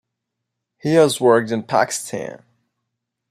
He has worked in Pakistan.